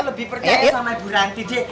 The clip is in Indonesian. lebih percaya sama bu ranti deh